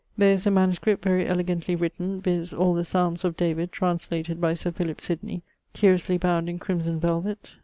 There is a manuscript very elegantly written, viz. all the Psalmes of David translated by Sir Philip Sydney, curiously bound in crimson velvet.